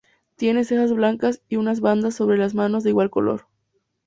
Tiene cejas blancas y unas bandas sobre las manos de igual color.